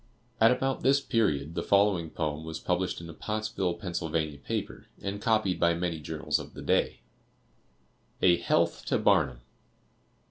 At about this period, the following poem was published in a Pottsville, Pa., paper, and copied by many journals of the day: A HEALTH TO BARNUM.